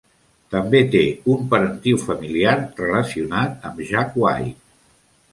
També té un parentiu familiar relacionat amb Jack White.